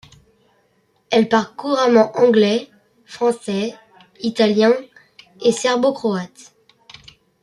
Elle parle couramment anglais, français, italien, et serbo-croate.